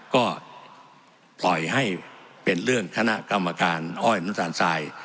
ก็ปล่อยให้เป็นเรื่องคณะกรรมการอ้อยน้ำตาลทราย